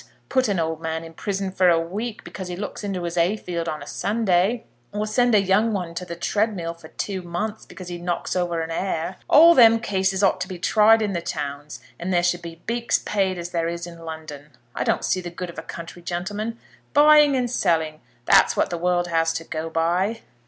Put an old man in prison for a week because he looks into his 'ay field on a Sunday; or send a young one to the treadmill for two months because he knocks over a 'are! All them cases ought to be tried in the towns, and there should be beaks paid as there is in London. I don't see the good of a country gentleman. Buying and selling; that's what the world has to go by."